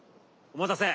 お待たせ。